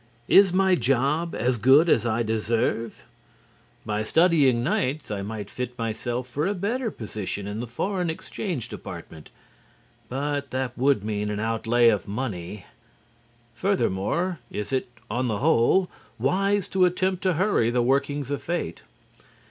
Is my job as good as I deserve? By studying nights I might fit myself for a better position in the foreign exchange department, but that would mean an outlay of money. Furthermore, is it, on the whole, wise to attempt to hurry the workings of Fate?